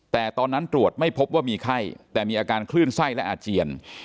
แต่ตอนนั้นตรวจไม่พบว่ามีไข้แต่มีอาการคลื่นไส้และอาเจียน